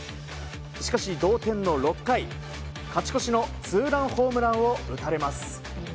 しかし、同点の６回勝ち越しのツーランホームランを打たれます。